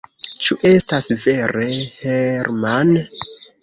Ĉu estas vere, Herman?